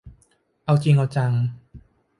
เอาจริงเอาจัง